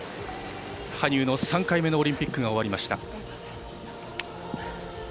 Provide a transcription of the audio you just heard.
羽生の３回目のオリンピックが終わりました。